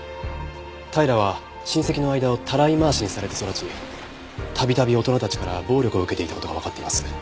平良は親戚の間をたらい回しにされて育ち度々大人たちから暴力を受けていた事がわかっています。